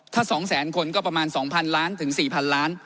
ถ้า๒แสนคนก็ประมาณ๒๐๐ล้านถึง๔๐๐ล้าน